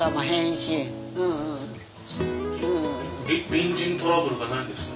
隣人トラブルがないんですね。